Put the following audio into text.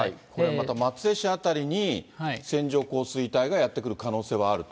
また松江市辺りに線状降水帯がやって来る可能性はあると。